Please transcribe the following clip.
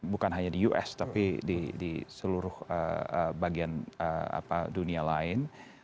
bukan hanya di us tapi di seluruh bagian dunia lain